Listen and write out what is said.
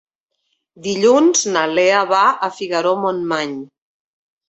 Dilluns na Lea va a Figaró-Montmany.